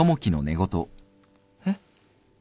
えっ？